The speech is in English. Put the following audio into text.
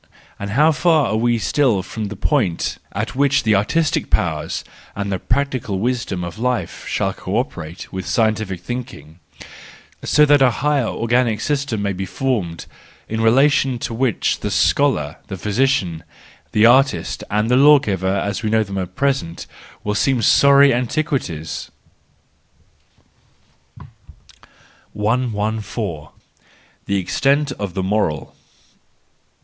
And how far are we still from the point at which the artistic powers and the prac¬ tical wisdom of life shall co operate with scientific thinking, so that a higher organic system may be formed, in relation to which the scholar, the physi¬ cian, the artist, and the lawgiver, as we know them at present, will seem sorry antiquities! 114. The Extent of the Moral